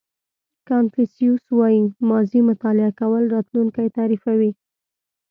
کانفیوسیس وایي ماضي مطالعه کول راتلونکی تعریفوي.